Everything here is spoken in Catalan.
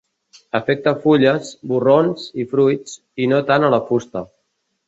Afecta fulles, borrons i fruits i no tant a la fusta.